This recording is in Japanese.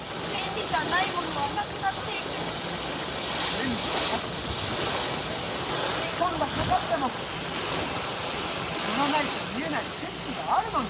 便利じゃなくても時間がかかっても乗らないと見えない景色があるのに。